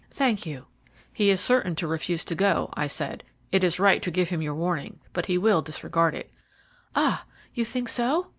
"Thank you." "He is certain to refuse to go," I said. "It is right to give him your warning, but he will disregard it." "Ah! you think so?"